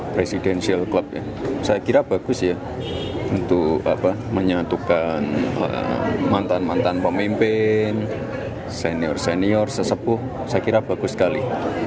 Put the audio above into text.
presidensial club ya saya kira bagus ya untuk menyatukan mantan mantan pemimpin senior senior sesepuh saya kira bagus sekali